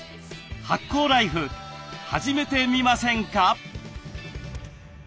発酵ライフ始めてみませんか？